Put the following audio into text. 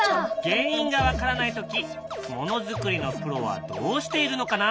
原因が分からない時物作りのプロはどうしているのかな？